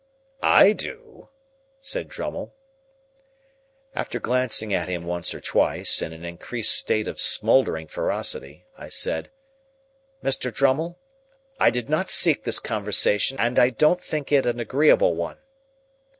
"I do," said Drummle. After glancing at him once or twice, in an increased state of smouldering ferocity, I said,— "Mr. Drummle, I did not seek this conversation, and I don't think it an agreeable one."